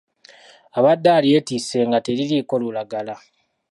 Abadde alyetisse nga teririiko lulagala.